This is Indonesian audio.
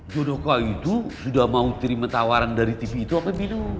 budoko itu sudah mau terima tawaran dari tv itu apa belum